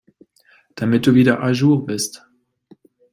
Damit du wieder à jour bist.